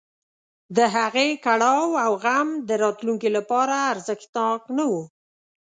د هغې کړاو او غم د راتلونکي لپاره ارزښتناک نه و.